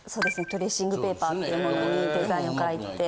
トレーシングペーパーってものにデザインを描いて。